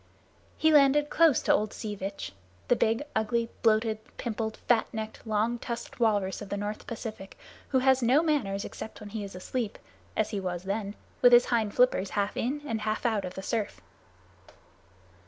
He landed close to old Sea Vitch the big, ugly, bloated, pimpled, fat necked, long tusked walrus of the North Pacific, who has no manners except when he is asleep as he was then, with his hind flippers half in and half out of the surf.